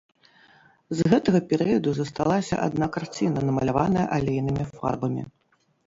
З гэтага перыяду засталася адна карціна, намаляваная алейнымі фарбамі.